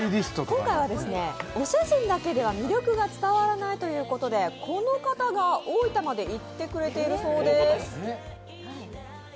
今回は、お写真だけでは魅力が伝わらないということで、この方が、大分まで行ってくれているそうです。